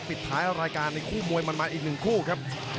ปิดท้ายรายการในคู่มวยมันมาอีกหนึ่งคู่ครับ